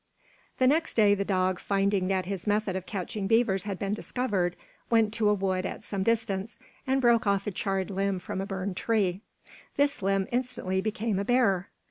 The next day the dog, finding that his method of catching beavers had been discovered, went to a wood at some distance and broke off a charred limb from a burned tree. This limb instantly became a bear.